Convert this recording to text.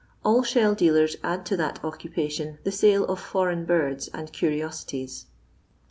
AU shell dealers add to that occupation the sale of foreign birds and curiosities.